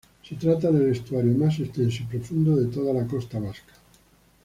Se trata del estuario más extenso y profundo de toda la costa vasca.